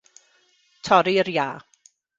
Torri'r iâ